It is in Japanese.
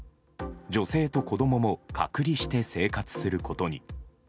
女性と子供も隔離して生活することに。